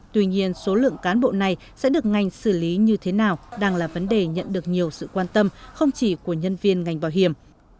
tuy nhiên số lượng cán bộ này sẽ được ngành xử lý như thế nào đang là vấn đề nhận được nhiều sự quan tâm không chỉ của nhân viên ngành bảo hiểm